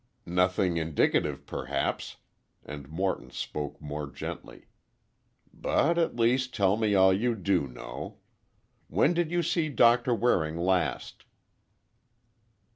"Nothing indicative, perhaps," and Morton spoke more gently, "but at least, tell me all you do know. When did you see Doctor Waring last?"